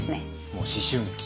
もう思春期？